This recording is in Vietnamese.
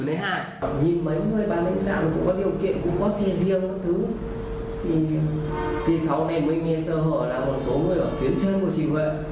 thì khi sau này mới nghe sơ hội là một số người bảo kiến chơi của chị mẹ